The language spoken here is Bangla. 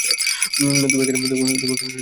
তুমি এখানে এসে স্প্যানিশ বলছো?